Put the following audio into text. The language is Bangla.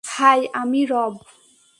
হাই, আমি রব।